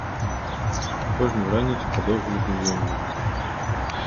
Кожную раніцу падоўгу любіў ён мыцца.